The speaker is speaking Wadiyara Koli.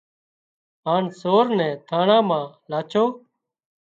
هانَ سور نين ٿاڻان مان لاڇو